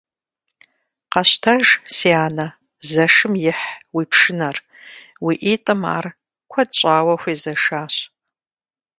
Къэщтэж, си анэ, зэшым ихь уи пшынэр, уи ӀитӀым ар куэд щӀауэ хуезэшащ.